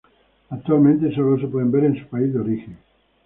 Actualmente solo se puede ver en su país de origen.